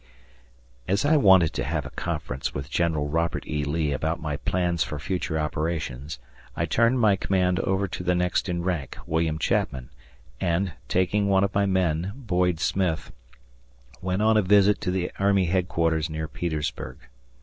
As I wanted to have a conference with General Robert E. Lee about my plans for future operations, I turned my command over to the next in rank, William Chapman, and, taking one of my men, Boyd Smith, went on a visit to the army headquarters near Petersburg.